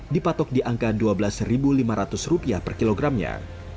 dipatok di angka rp dua belas lima ratus per kilogramnya